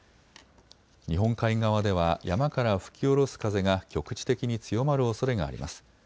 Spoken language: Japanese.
日本海側では山から吹き降ろす風が局地的に強まるおそれがあります。